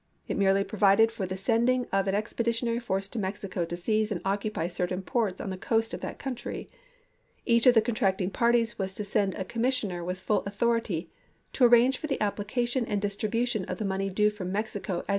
It merely provided for the sending of an expeditionary force to Mexico to seize and occupy certain ports on the coast of that country ; each of the contracting parties was to send a commissioner with full authority to arrange for the application MEXICO 39 and distribution of the money due from Mexico as chap.